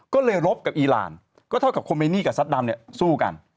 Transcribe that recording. ก็เลยรบกับอีรานก็เท่ากับโคเมนี่กับซัดดำเนี่ยสู้กัน